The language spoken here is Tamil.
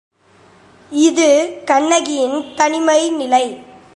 இது கண்ணகியின் தனிமை நிலை.